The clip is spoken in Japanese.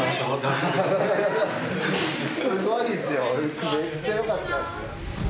・すごいですよめっちゃよかったですよ